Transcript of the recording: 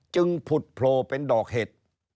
จึงผุดโพลเป็นดอกเห็ด